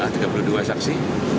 tiga puluh dua saksi